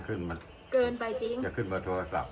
เกินไปจริงจะขึ้นมาทั่วครับ